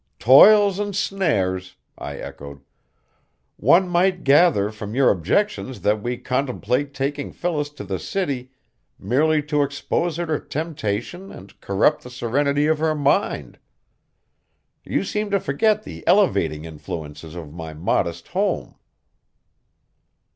"Toils and snares," I echoed. "One might gather from your objections that we contemplate taking Phyllis to the city merely to expose her to temptation and corrupt the serenity of her mind. You seem to forget the elevating influences of my modest home."